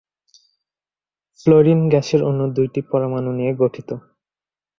Fluorine গ্যাসের অণু দুইটি পরমাণু নিয়ে গঠিত।